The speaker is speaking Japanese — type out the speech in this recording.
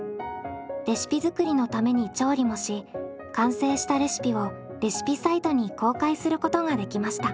レシピ作りのために調理もし完成したレシピをレシピサイトに公開することができました。